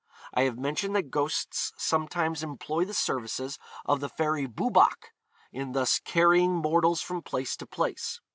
I have mentioned that ghosts sometimes employ the services of the fairy Boobach in thus carrying mortals from place to place.